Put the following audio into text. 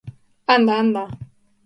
–Anda, anda.